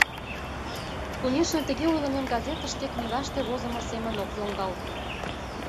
Конешне, тыге ойлымем газетыште, книгаште возымо семын ок йоҥгалт.